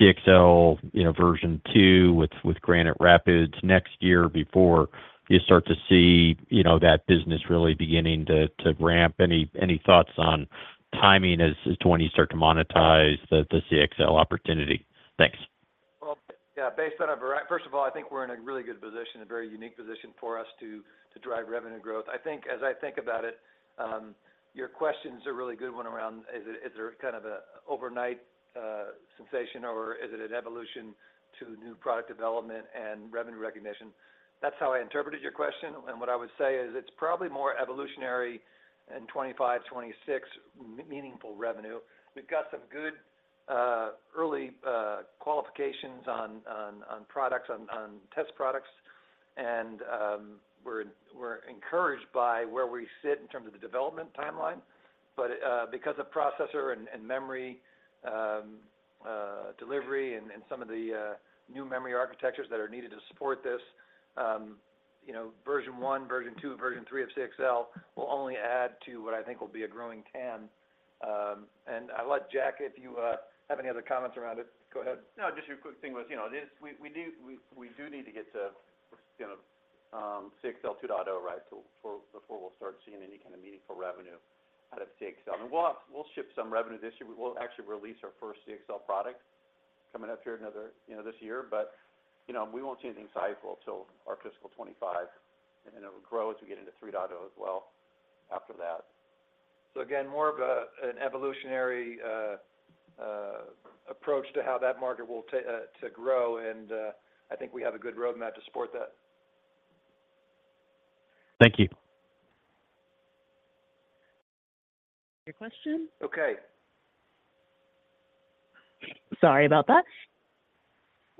CXL, you know, version 2 with Granite Rapids next year before you start to see, you know, that business really beginning to ramp? Any thoughts on timing as to when you start to monetize the CXL opportunity? Thanks. Well, yeah, based on our very first of all, I think we're in a really good position, a very unique position for us to drive revenue growth. I think as I think about it, your question's a really good one around, is it, is there kind of an overnight sensation, or is it an evolution to new product development and revenue recognition? That's how I interpreted your question, and what I would say is it's probably more evolutionary in 2025, 2026, meaningful revenue. We've got some good early qualifications on products, on test products, and we're encouraged by where we sit in terms of the development timeline. Because of processor and memory delivery and some of the new memory architectures that are needed to support this, you know, version 1, version 2, version 3 of CXL will only add to what I think will be a growing TAM. I'll let Jack, if you have any other comments around it, go ahead. No, just a quick thing was, you know, this. We do need to get to, you know, CXL 2.0, right? So before we'll start seeing any kind of meaningful revenue out of CXL. And we'll ship some revenue this year. We will actually release our first CXL product coming up here another, you know, this year. But, you know, we won't see anything sizable till our fiscal 2025, and then it will grow as we get into 3.0 as well after that. So again, more of an evolutionary approach to how that market will grow, and I think we have a good roadmap to support that. Thank you. [inaudible] your question? Okay. Sorry about that.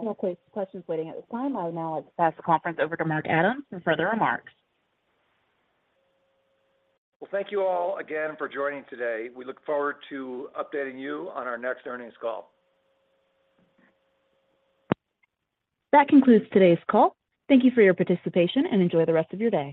No questions waiting at this time. I will now pass the conference over to Mark Adams for further remarks. Well, thank you all again for joining today. We look forward to updating you on our next earnings call. That concludes today's call. Thank you for your participation, and enjoy the rest of your day.